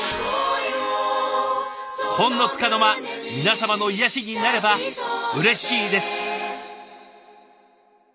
ほんのつかの間皆様の癒やしになればうれしいです。